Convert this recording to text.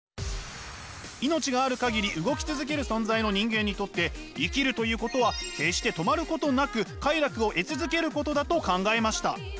命がある限り動き続ける存在の人間にとって生きるということは決して止まることなく快楽を得続けることだと考えました。